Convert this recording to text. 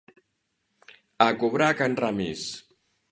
A cobrar a can Ramis!